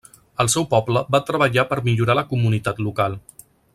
Al seu poble va treballar per millorar la comunitat local.